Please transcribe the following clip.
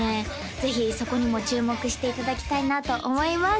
ぜひそこにも注目していただきたいなと思います